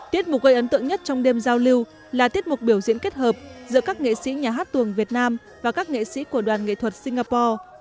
tiết mục gây ấn tượng nhất trong đêm giao lưu là tiết mục biểu diễn kết hợp giữa các nghệ sĩ nhà hát tuồng việt nam và các nghệ sĩ của đoàn nghệ thuật singapore